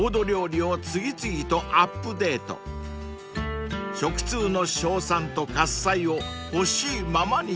［食通の称賛と喝采をほしいままにしています］